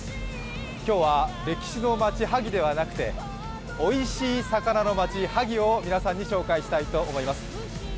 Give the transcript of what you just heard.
今日は歴史の町・萩ではなくておいしい魚の町・萩を皆さんに紹介したいと思います。